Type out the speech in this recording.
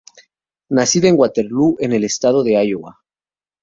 Nacida en Waterloo, en el Estado de Iowa.